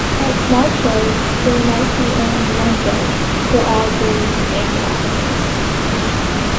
At small shows, there might be only one judge for all breeds and classes.